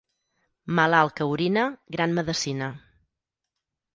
Malalt que orina, gran medecina.